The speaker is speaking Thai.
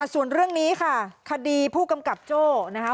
ส่วนเรื่องนี้ค่ะคดีผู้กำกับโจ้นะคะ